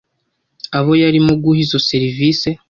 abo yarimo guha izo serivise